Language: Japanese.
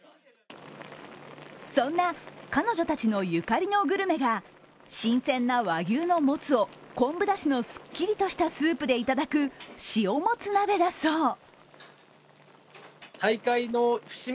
そんな彼女たちのゆかりのグルメが新鮮な和牛のもつを昆布だしのすっきりとしたスープでいただく塩もつ鍋だそう。